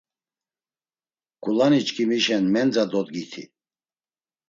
K̆ulaniçkimişen mendra dodgiti.